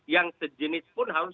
yang sejenis pun harus